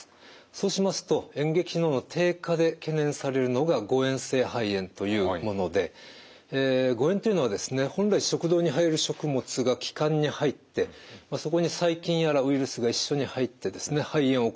そうしますと嚥下機能の低下で懸念されるのが誤嚥性肺炎というもので誤嚥というのは本来食道に入る食物が気管に入ってそこに細菌やらウイルスが一緒に入って肺炎を起こす病態をいいます。